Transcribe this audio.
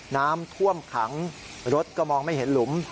น้ำท่วมขังรถก็มองไม่เห็นหลุม